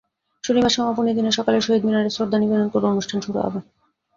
শনিবার সমাপনী দিনে সকালে শহীদ মিনারে শ্রদ্ধা নিবেদন করে অনুষ্ঠান শুরু হবে।